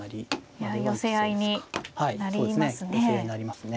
やはり寄せ合いになりますね。